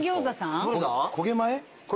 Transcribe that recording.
焦げ前？